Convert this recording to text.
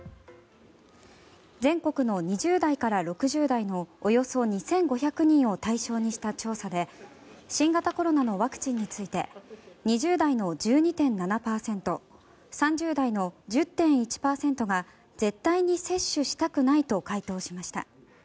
全国の２０代から６０代のおよそ２５００人を対象にした調査で新型コロナのワクチンについて２０代の１２．７％３０代の１０．１％が絶対に接種したくないと回答しました。